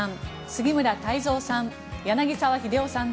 杉村太蔵さん